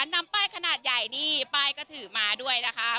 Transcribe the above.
นำป้ายขนาดใหญ่นี่ป้ายก็ถือมาด้วยนะคะ